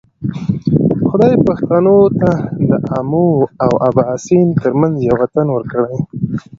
خدای پښتنو ته د آمو او باسین ترمنځ یو وطن ورکړی.